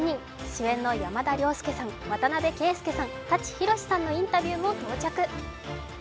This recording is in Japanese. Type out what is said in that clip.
主演の山田涼介さん、渡邊圭祐さん舘ひろしさんのインタビューも到着。